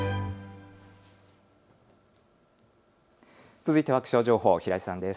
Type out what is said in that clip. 続いては気象情報、平井さんです。